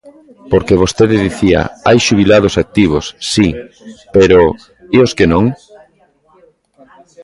Porque vostede dicía: hai xubilados activos; si, pero ¿e os que non?